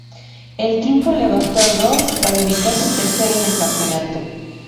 El triunfo le bastó a Rose para ubicarse tercero en el campeonato.